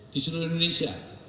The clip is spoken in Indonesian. di seluruh indonesia